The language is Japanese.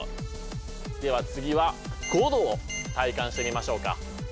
では次は５度を体感してみましょうか。